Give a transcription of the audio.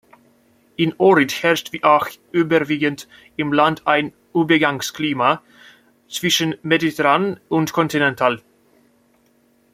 In Ohrid herrscht wie auch überwiegend im Land ein Übergangsklima zwischen mediterran und kontinental.